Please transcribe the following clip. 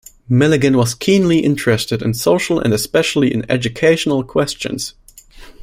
Milligan was keenly interested in social and especially in educational questions.